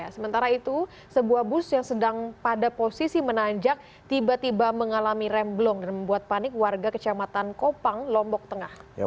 sementara itu sebuah bus yang sedang pada posisi menanjak tiba tiba mengalami remblong dan membuat panik warga kecamatan kopang lombok tengah